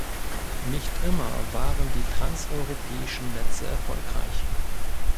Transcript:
Nicht immer waren die transeuropäischen Netze erfolgreich.